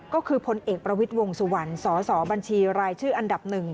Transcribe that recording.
ก็คือพลเอกประวิทย์วงสุวรรณสสบัญชีรายชื่ออันดับ๑